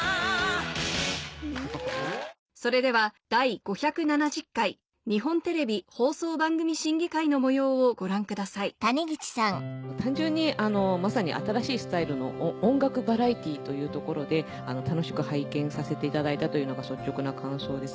それではの模様をご覧ください単純にまさに新しいスタイルの音楽バラエティーというところで楽しく拝見させていただいたというのが率直な感想です。